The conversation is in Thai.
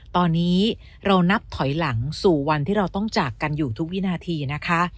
ตอนนี้เรานับถอยหลังสู่วันที่เราต้องจากกันอยู่ทุกวินาทีนะคะ